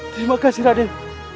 terima kasih raden